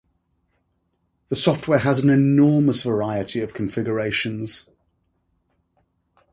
The software has an enormous variety of configurations.